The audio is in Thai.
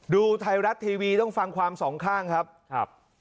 ดูไทยรัฐทีวีต้องฟังความสองข้างครับครับ